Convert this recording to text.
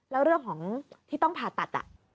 แล้วเรื่องของที่ต้องผ่าตัด